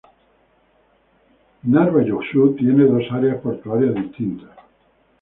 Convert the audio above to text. Narva-Jõesuu tiene dos áreas portuarias distintas.